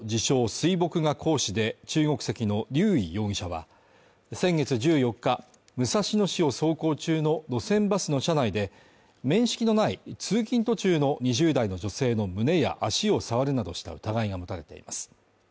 水墨画講師で、中国籍の劉偉容疑者は先月１４日、武蔵野市を走行中の路線バスの車内で、面識のない通勤途中の２０代の女性の胸や足を触るなどした疑いが持たれています。